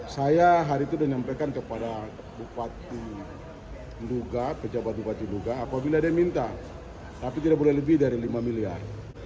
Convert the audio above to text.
saya hari itu sudah menyampaikan kepada bupati nduga pejabat bupati duga apabila dia minta tapi tidak boleh lebih dari lima miliar